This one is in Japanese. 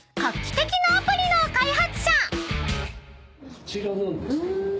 こちらなんですけども。